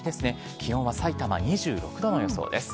気温はさいたま２６度の予想です。